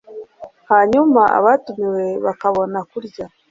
hanyuma abatumiwe bakabona kurya